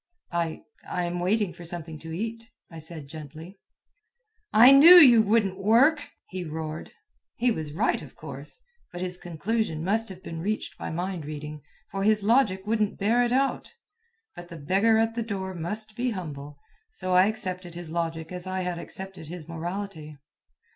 "I ... I am waiting for something to eat," I said gently. "I knew you wouldn't work!" he roared. He was right, of course; but his conclusion must have been reached by mind reading, for his logic wouldn't bear it out. But the beggar at the door must be humble, so I accepted his logic as I had accepted his morality.